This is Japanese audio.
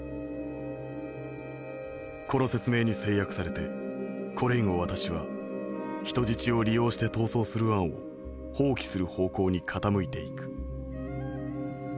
この説明に制約されてこれ以後私は人質を利用して逃走する案を放棄する方向に傾いていく」。